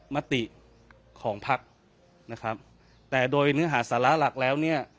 มติของพักนะครับแต่โดยเนื้อหาสาระหลักแล้วเนี่ย